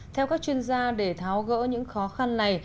theo các chuyên gia để tháo gỡ những khó khăn này